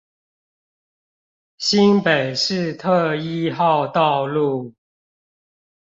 新北市特一號道路